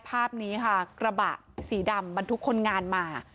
ภาพนี้ค่ะกระบะสีดำบรรทุกคนงานมา